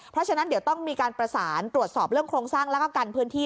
เพราะฉะนั้นเดี๋ยวต้องมีการประสานตรวจสอบเรื่องโครงสร้างแล้วก็กันพื้นที่